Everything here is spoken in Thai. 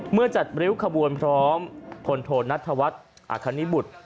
เมื่อจัดริ้วขบวนพร้อมพลโทนัทธวัฒน์อคณิบุตร